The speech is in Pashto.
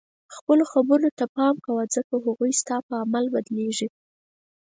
خپلو خبرو ته پام کوه ځکه هغوی ستا په عمل بدلیږي.